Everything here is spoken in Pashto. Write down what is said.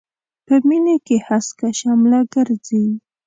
په مينې کې هسکه شمله ګرځي.